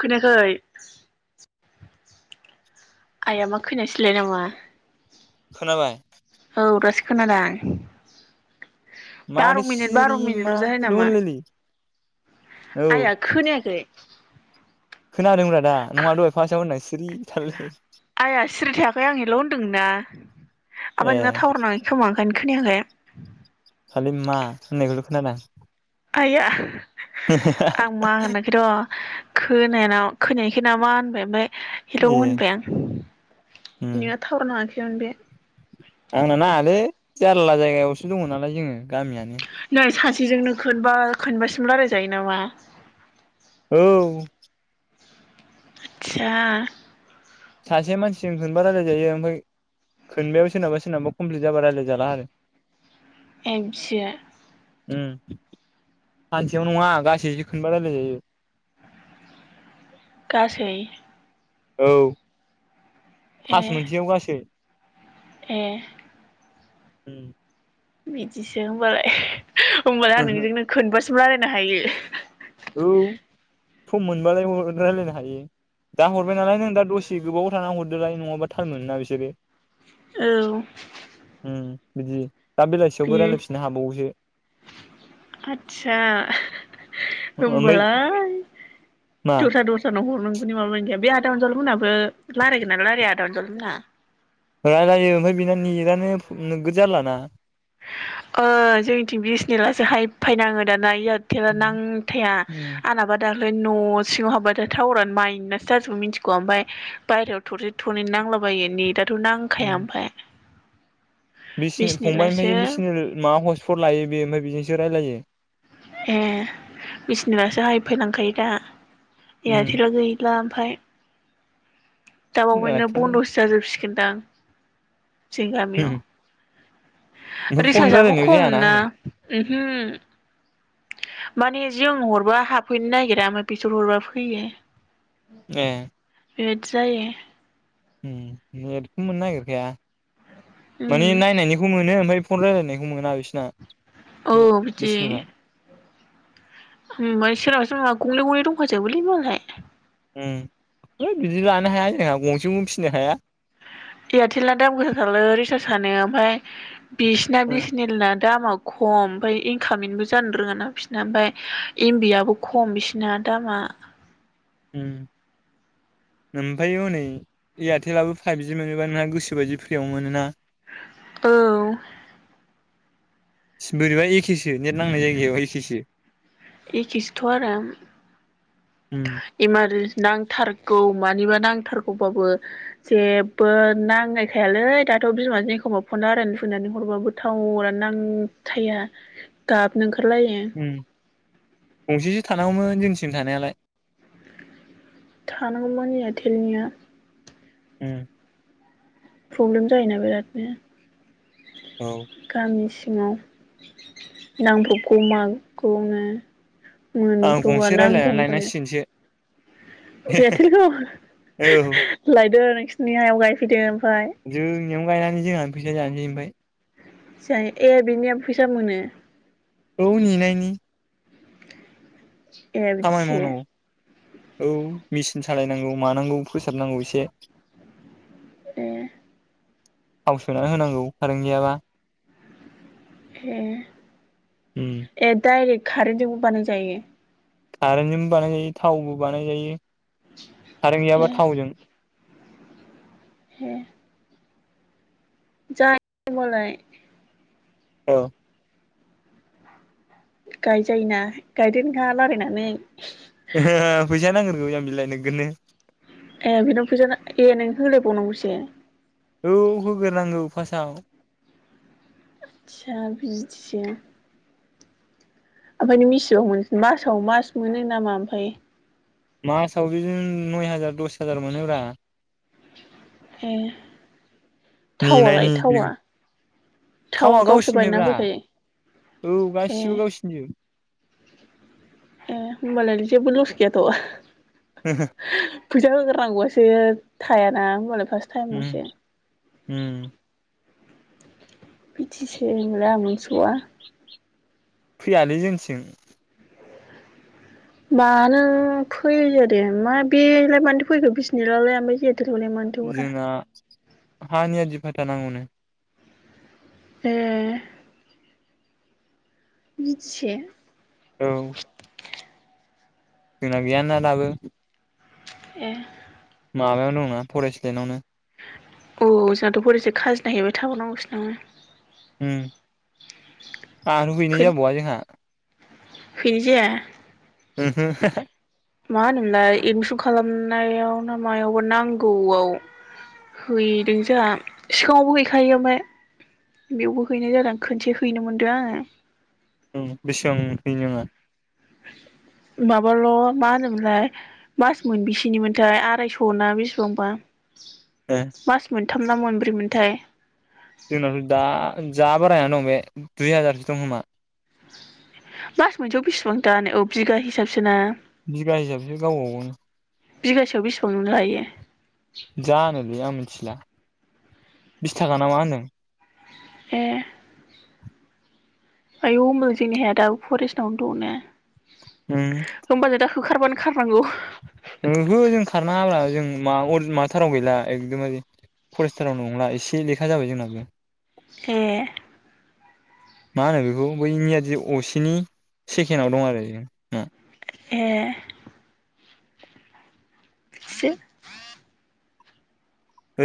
खोननायाखै आया मा खोनासैलाय नामा खोनाबाय औ दासो खोनादां बार' मानो मिनिट बार' सिरि मा मिनिटल' जायो लु नामा होनलायलै औ आइया खोनायाखै खोनादों रा दा नङा दहाय फासआव होनना सिरि थालायो दोंना ओमफ्राय ए नोंना टावउार नाङ खोमखायनो खोनायाखै खालि मा होननायखौल' खोनादां आइया आं मा होनाखै र' खोनाना खोनायखै नामा होनबाय ओमफ्राय हिलौ ए होनबाय आं उम नोंना थावर नाङाखै मोन बे आंना नाङालै जारला जायगायावसो दङ नालाय जोङो गामियानो सिजोंनो खोनबा खोनबासिम रायलायजायो नामा औ आतचा सासे मानसिजों मोनबा रायजायजायो ओमफाय खोनबायाव सोरनाबा सोरनाबा कमप्लिट जाबा रायज्लाय जाला आरो ए बिदिसो उम सानसेयाव नङा गासैसो खोनबा रायलाय जायो गासै औ ए फास मोनसेयाव गासो ए उम बिदिसो होनबालाय होमबालाय आं नोंजोंनो खोनबासो रायलायनो हायो औ सम मोनबालाय रायजलायनो हायो दा हरबाय नालाय नों दा दसे गोबाव थाना हरदोलाय नङाबा टाल मोनोना बिसोरो औ उम बिदि दा बे बेलासियावबो रायलायफिननो हाबावोसो आतसा ओमफ्राय होमबालाय मा दस्रा दस्रा नाव हरनां [unintelligible] माबा गैया बे आदा अनजालु मोनाबो रायलायगोनना रायलाया आदा अनजालु मोना रायलायो ओमफ्राय बिना नेटानो नोगोद जारलाना ओ जोंनिथिं बिसेनेलासो हाय फायनाङो दाना एयार थेला नांखाया उम आंनाबा दाख ओमफ्राय न' सिङाव हाबबाथाय टावारानो माइनासो जाजोबो मिथिग ओमफ्राय बायहेरायाव थरसे थरनै नांला बायो नेटाथ' नांखाया ओमफ्राय बिसिनि फंबाय नै बिसनेलासो बिसेनेल माबा हस्टपटसो लायो बियो ओमफ्राय बेजोंसो रायलायो ए उम यारथेला गैला ओमफ्राय दाबावैनो माथो बन्दसो जाजोबसिगोनदां जोंनि गामियाव ओमफ्राय फन रिसार्जआबो रायलायनायाव खम जायाना ना हनै उमहो माने जों हरबा हाबफैनो नागिरा ओमफाय बिसोर हरबा फैयो ए बेबायदि जायो ओम नेटखौ मोननो नागिरखाया उम माने नायनायनिखौ मोनो ओमफ्राय फन रायलायनायखौ मोना बिसोरना औ बे बिसेनेला ओम ओमफाय सोराबा सोराबा गंनै गंनै दंखाजोबोलै मालाय ओम ओइ बिदि लानो हाया जोंहा गंसेखौनो फिनो हाया एयारटेला दाम गोसा थारलै रिसार्ज आनो ओमफ्राय बिसिना बिसेनेल ना दामा खम ओमफ्राय इनकामिंबो जानो रोङाना बिसोरना ओमफ्राय एमबियाबो खम बिसिना दामा [inaudible] उम ओमफ्राय हनै एयारटेलाबो फाइभजि मोनोबा नोंहा गोसोबायदि फ्रियाव मोनोना औ बोरैबा एखेसो नेट नांनाय जायगायाव एखेसो एखिसोथ आरो उम इमार जे नांथारगौ मानिबा नांथारगौबाबो जेबो नांनायखायालै दा थ बिमाजों एखमबा फन रायलायनो लुगैनानै हरबाबो थावरानो नांखाया गाबनो ओंखार खारलायो गंसेसो थानांगौमोन जोंनिसिम थानायालाय थानांगौमोन यारथेलनिया उम प्रब्लेम जायोना बिरादनो औ गामि सि ङाव नांब्रबगौ मागौनो आं मोनब्रबा गंसे नांगौ रायलायनानै होनबानो लायनांसिगोनसो यारथेलखौ औ लायदो नोंसोरनि हायाव गायफैदो जोंनियावनो गायनानै जोंहानो फैसा जानोसै ओमफ्राय जा ए बिनियाबो फैसा मोनो? औ नेनायनि ए खामानि बिदिसो मावनांगौ औ मेचिन सालायनांगौ मानांगौ फोसाबनांगौ एसे ए थाव सोनानै होनांगौ कारेन्ट गैयाबा ए उम ए डाइरेक्ट कारेन्टजोंबो बानाय जायो कारेन्टजोंबो बानाय जायो थावबो बानायजायो कारेन्ट ए गैयाबा थावजों हे जाय होनबालाय अ गायजायोना गायदो नोंहा रालायनानै फैसा नांग्रोगौ जामबिलाइ नोगोरनो ए बिनाव फैजा ए नों होलायबावनांगौसो औ होग्रोनांगौ फासथआव आतसा बिदिसो ओमफ्राय नों बिसिबां मोनो मासाव मास मोनो नामा ओमफ्राय? मासाव बिदिनो नय हाजार दस हाजार मोनोब्रा ए थावालाय नेनायनि थावा बेखौ थावा गावसोर बायना होफैखायो औ ए गासिबो गावसिनिजोब ए होनबालाय जेबोलस गैयाथ फैसा होगोर नांगौवासो थायाना होनबालाय फार्स्ट टाइमावसो ओम बिथिसो होनबालाय आं मोनथिबावा। फैयालै जोंनिथिं। मानो फैया दे मा बेलाय मानोथो फैखो [unintelligible] ओमफ्राय जे [unintelligible] मानथो हरा। हा नियादि फाटा नांगौनो। ए बिथिसे औ जोंना गैयाना दाबो। ए माबायाव दंना फरेस्ट लेण्डआवनो। औ जोंहाथ' फरेस सो खाजिना हैबाय थाबावनांगौसो नामा? ओम आंथ' हैनाय जाबावा जोंहा। हैनायजाया ओम हो मा होनोमोलाय एदमिसन खालामनायाव ना मायावबा नांगौआव हैदों जोंहा सिगाङावबो हैखायो ओमफ्राय बेयावबो हैनाय जादों खनसे हैनो मोनदों आङो। ओं बेसेबां हैनाङा? माबाल' मा होनोमोनलाय मास मोनबसेनिमोनथाय आरायस' ना बेसेबांबा। मास मोनथाम ना मोनब्रै मोनथाय। जोंनावथ' दा जा बारायना दं बे दुइ हाजारसो दं खोमा। मास मोनसेयाव बेसेबां दानो औ बिगा हिसाबसो ना? बिगा हिसाबसो [unintelligible] बिगासेयाव बेसेबांनि लायो? जानोलै आं मिथिला बिस थाखा ना मा होनदों। ए आयौ होमबालाय जोंनि हाया दाबो फरेस्टावनो दंना? ओम होमबा जों दा होखारबानो खारनांगौ। ओहो जों खारनाङाब्रा जों मा अरज माथाराव गैला एकदमबारे फरेस्टाराव नंला एसे लेखा जाबाय जोंनाबो। ए मा होनो बेखौ बै नियादि असेनि सेकेडआव दं आरो जों ओ। ए सो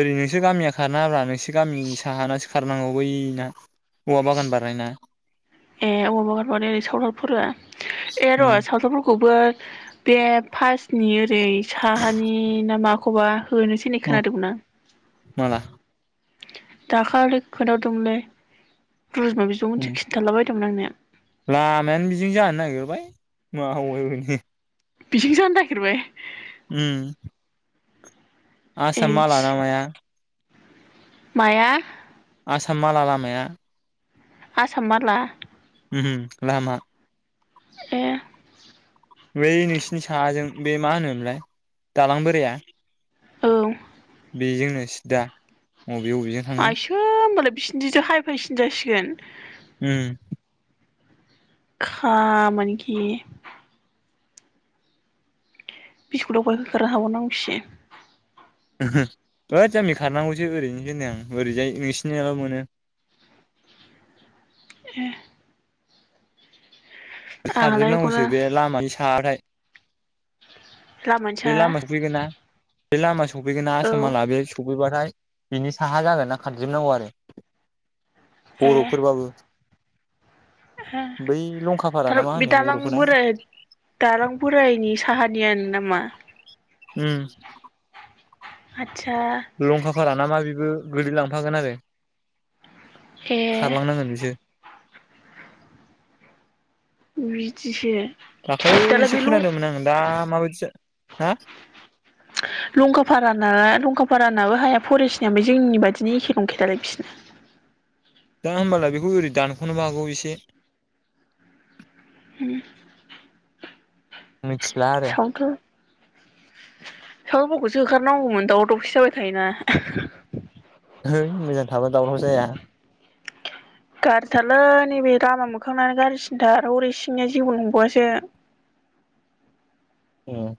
ओरै नोंसोर गामिया खारनाङाब्रा नोंसोर गामि साहानासो खारनांगौ बैना। औवा बागान बारनायना। एह औवा बागान माने ओरै सावथालफोरा एह र' उम सावथालफोरखौबो बे फास्नि ओरै साहानि ना माखौबा होनोसै होननाय खोनादोंमोन आं। माला? दाखालै खोन्थाहरदोंमोनलै रुजुमा बिब' उम मोनसो खिन्थालाबायदोंमोन आंनो। लामायानो बिजोंनो जानो नागिरबाय माहाय अबेनि। बिथिं जानो नागेरबाय। उम। ए आसाम बिदि मालाना माया। माया? आसाम माला लामाया। आसाम माला? उम लामा। एह। बै नोंसिनि साहाजों बे मा होनोमलाय दालां बोराया औ। बेजोंनो सिदा। बबे बबेजों थांगोन आइसो होमबालाय बिसिनिदिजों हाइफायसिन जासिगोन। उम। खामानि गैया। बिसोखौलाय अबाहाय होखारनो हाबावनांगौ सि। हाद जामबि खारनांगौसो ओरैनोसो होननाय आं ओरैजाय [unintelligible] एह। आंहालाय बेखौनो खारजोबनांगौसो बे लामानि साहाखै लामानि बे साहा लामा सफैगोना बे लामा सफैगोना औ आसाम माला बे स फैबाथाय बिनि साहा जागोनना खारजोबनांगौ आरो। ए बर'फोरबाबो हो बै लंखा थार बे दालां बोराय दालां बोरायनि साहानियानो नामा? उम। आदसा लंखाफाराना मा बेबो गोलै लांफागोन आरो। ए खारलांनांगोन बिसोर। बिदिसो? दालाय दाखालैसो बे लं खोनादोंमोन आङो दा माबायदि जा हा? लंखाफारा नालाय लंखा फारा नाबो हाया फरेस्टनिया आमफाय जोंनि बायदिनो एखे नंखायालै बिसिना। दा होमबालाय बेखौ ओरै दानख'नोबो हागौ एसे। उम। मिथिला आरो। सावथालफोखौसो होखारनांगौमोन दावराव दावसि जाबाय थायोना। है मोजां थाबा दावराव जाया। गाज्रिथारलै नैबे लामा मोखांनानो गाज्रिसिनथार हरै सिंनिया जिबो नंबावआसो। उम।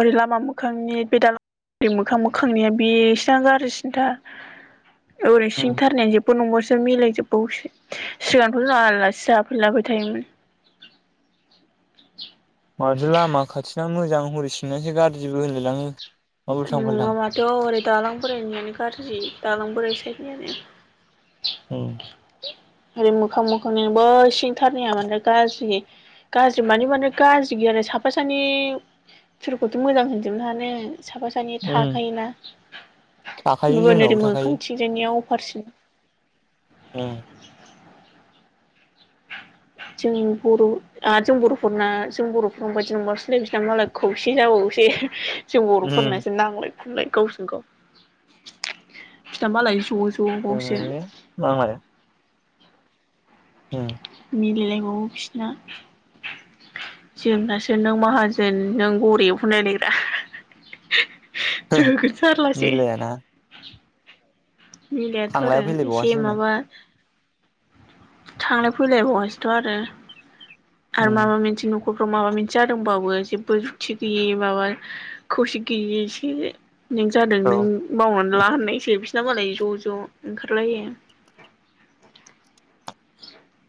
ओरै लामा मोखांनि बे दालाय बे मोखां मोखांनिया बेस्रानो गारजिसिन्थार। ओरै सिं थारनाय जोबबो नंगौसो मिलाय जोबबावसो सिगांथ' जों आलासि जाफैलाबाय थायोमोन। माथो लामा खाथिना मोजां हरिसिंनासो गाज्रिबो होनलायलाङो मा उल्थां फाल्थां नङा माथो हरै दालां बोरायनिआनो गाज्रि दालां बोरायसै आरो उम [inaudible] ओरै मोखां मोखांनिबो सिंथारनाया माने गाज्रि गाज्रि मानि माने गाज्रि गैया जेरै साफा सानै फोरफोरखौथ' मोजां होनजोबनो हानो साफा सानै उम थाखायोना थाखायो होमबाबो जोंनावबो ओरै थाखायो मोखां थिंजायनियाव फारसि उम [inaudible] जों बर' आरो जों बर'फोरना जों बर'फोर बादि नंबावासोलै बिसिना मालाय खौसे जाबावसो दे [inaudible] जों उम बर'फोरनासो नांलाय खमलाय गावजों गाव बिसिना मालाय ज' ज' [inaudible] ओम मिलायलायबावो बिसिना जोंनासो नों माहाजोन नों गरिब होनलायलायग्रा नोगोद जारलासो मिलायाना मिलायाथ' थांलाय आरो फैलायबावासो एसे जोंना माबा थांलाय फैलाय बावासोथ' आरो आरो उम माबा मोनसे न'खरफ्राव माबा मोनसे जादोंबाबो जेबो जुगथि गैयै माबा खौसे गैयै सो। नों जादों औ नों मावनानै ला होननायसो बिस सिना मालाय ज' ज' ओंखारलायो।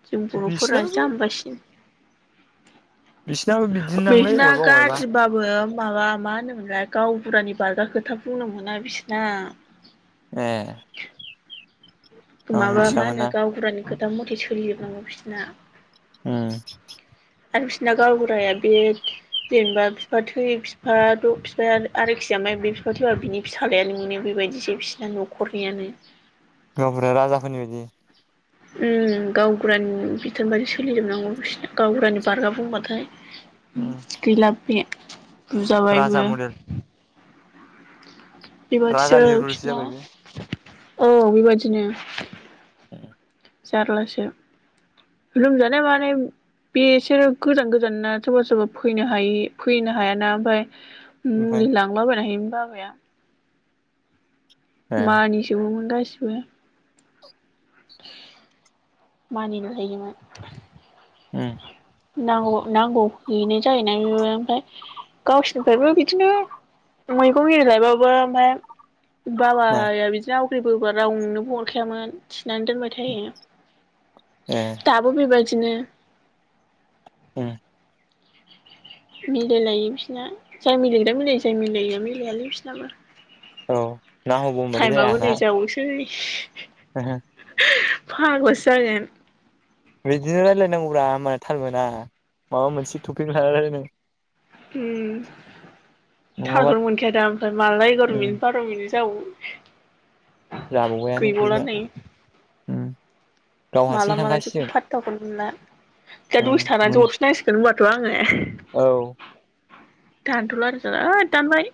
जों बर'फोरा बिसिनाबो जामबासिन बिसिनाबो बिदिनो नांलै बिसिना अबेबा अबेबा गाज्रिबाबो माबा मा होनोमोनलाय गावबुरानि बारग्रा खोथा बुंनो मोना बिसोरना ए आं माबा मा मिथियामोन होनो ना गावबुरानि खोथा मथे सोलिजोबनांगौ बिसोरना उम आरो बिसना गावबुराया बे जेनेबा बिफा थै बिफाथ' बिफाया आरोखि आमफाय बिफा थैबा बिनि फिसााज्लायानो मोनो बेबायदि बिदिसो बिसिना न'खरनियानो गावबुराया राजाफोरनि बायदि उम गावबुरानि बिथोन बायदि सोलिजोबनांगौ बिसना गावबुरानि बारगा बुंबाथाय उम गैलाबो बे राजा बुजाबायबो मडेल बेबायादिसो राजानि रुल्सो बिसना जाबाय बेयो औ बेबायदिनो जारलासो लोमजानाय माने बेसोरो गोजान गोजान ना सोरबा सोरबा फैनो हायि फैनो हायाना ओमफ्राय ओमफ्राय मुलि लांलाबायना हैयोमोन बाबाया। ए मानिजोबोमोन गासिबो मानिनो हायोमोन उम नांगौ नांगौ बेनो जायोना बेबो ओमफ्राय गावसिनिफ्रायबो बिदिनो मैगं एरि लायबाबो ओमफ्राय मा बाबाया बिदिनो आवग्रिबोबा रावनोबो हरखायामोन थिनानै दोनबाय थायो। ए दाबो बेबायदिनो ओम मिलायलायो बिसोरना जाय मिलायग्रा मिलायो जाय मिल मिलायालै बिसनाबो औ ना टाइमाबो नै जाबावसै हो हो फाग्लासो जागोन बिदिनो रायलायनांगौब्रा होनबानो थाल मोना माबा मोनसे टपिक लाना रायलायनां उम नङाबा थालखौनो मोनखायादा ओमफ्राय माला एगार' मिनिट उम बार' मिनिट जाबावो जाबावबायानो गैबावला गैला उम गाव मला हारसिं माला जोबखो थांखासिगोन फाथथाखौनो मोनला। दा उम दसे मोन थानानैसो हरफिनांसिगोन होनबाथ' आङो औ दानथला आरो होद दानबाय